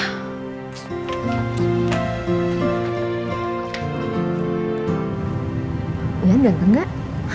uyan dateng nggak